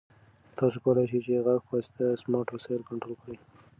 تاسو کولای شئ چې د غږ په واسطه سمارټ وسایل کنټرول کړئ.